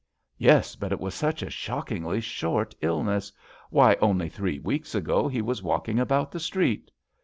Yes, but it was such a shockingly short illness. Why, only three weeks ago he was walking about the street."